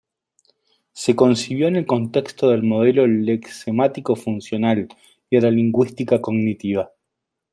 Se concibió en el contexto del Modelo Lexemático-Funcional y la Lingüística Cognitiva.